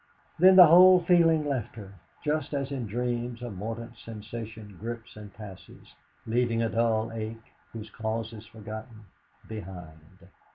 Then the whole feeling left her, just as in dreams a mordant sensation grips and passes, leaving a dull ache, whose cause is forgotten, behind.